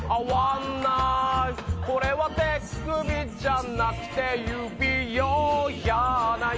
これは手首じゃなくて指用やない。